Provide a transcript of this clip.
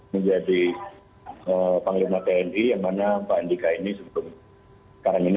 menjadi panglima tni yang mana pak andika ini sebelum sekarang ini